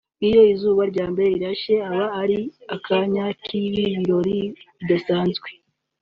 iyo izuba ryambere rirashe aba ari akanya kibi birori bidasanzwe